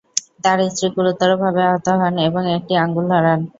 তার স্ত্রী গুরুতর ভাবে আহত হন এবং একটি আঙুল হারান।